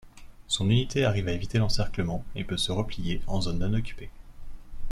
Son unité arrive à éviter l'encerclement et peut se replier en zone non-occupée.